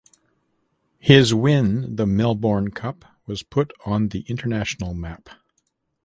His win the Melbourne Cup was put on the international map.